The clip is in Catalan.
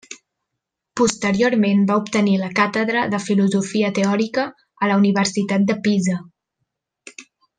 Posteriorment va obtenir la càtedra de Filosofia teòrica a la Universitat de Pisa.